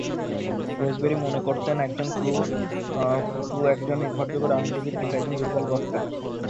রোজবেরি মনে করতেন ক্রু একজন নির্ভরযোগ্য রাজনীতিবিদ কিন্তু একজন দুর্বল বক্তা।